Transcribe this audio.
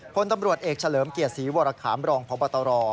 พลตำรวจเอกเฉลิมเกียรติศรีวรคามรองพบตร